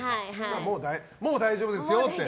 もう大丈夫ですよって。